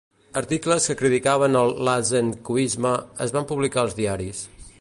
Articles que criticaven el Lysenkoisme es van publicar als diaris.